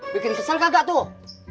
bikin kesel kagak tuh